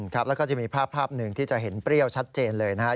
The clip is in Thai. ครับแล้วก็จะมีภาพหนึ่งที่จะเห็นเปรี้ยวชัดเจนเลยนะครับ